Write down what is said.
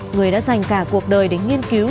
người đã dành cả cuộc đời đến nghiên cứu